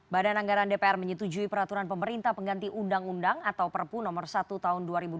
badan anggaran dpr menyetujui peraturan pemerintah pengganti undang undang atau perpu nomor satu tahun dua ribu dua puluh